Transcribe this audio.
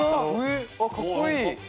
あっかっこいい。